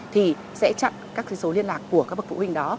thì sẽ chặn các số liên lạc của các bậc phụ huynh đó